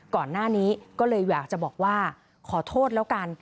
ก่อนหน้านี้ก็เลยอยากจะบอกว่าขอโทษแล้วกัน